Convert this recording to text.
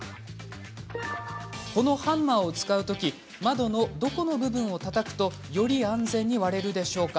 このハンマーを使うとき窓のどこの部分をたたくとより安全に割れるでしょうか？